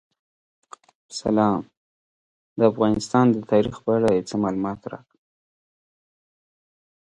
The research findings will be used to establish what species live in the area.